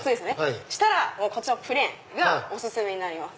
そしたらプレーンがお薦めになります。